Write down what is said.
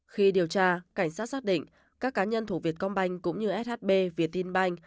khi điều tra cảnh sát xác định các cá nhân thủ việt công banh cũng như shb việt tin banh